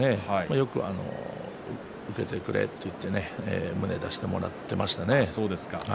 よく受けてくれと言って胸を出してもらっていましたね。